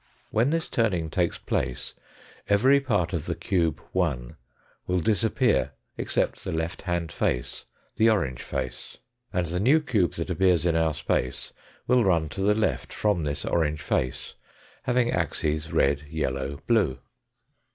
When this turning takes place every part of the cube 1 will disappear except the left hand face the orange face. And the new cube that appears in our space will run to the left from this orange face, having axes, red, yellow, blue.